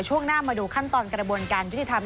ช่วงหน้ามาดูขั้นตอนกระบวนการยุติธรรม